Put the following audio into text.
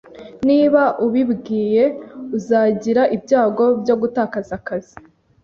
Niba ubibwiye , uzagira ibyago byo gutakaza akazi.